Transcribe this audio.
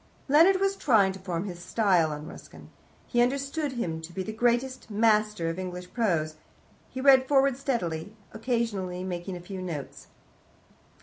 Leonard was trying to form his style on Ruskin: he understood him to be the greatest master of English Prose. He read forward steadily, occasionally making a few notes.